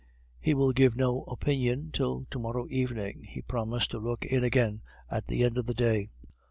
"He will give no opinion till to morrow evening. He promised to look in again at the end of the day.